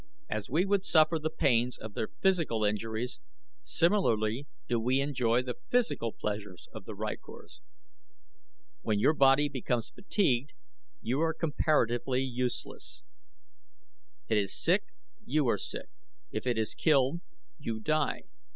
As we would suffer the pains of their physical injuries, similarly do we enjoy the physical pleasures of the rykors. When your body becomes fatigued you are comparatively useless; it is sick, you are sick; if it is killed, you die.